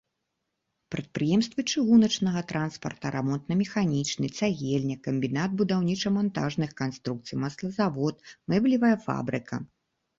Прадпрыемствы чыгуначнага транспарта, рамонтна-механічны, цагельня, камбінат будаўніча-мантажных канструкцый, маслазавод, мэблевая фабрыка.